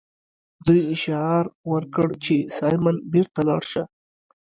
دوی شعار ورکړ چې سایمن بیرته لاړ شه.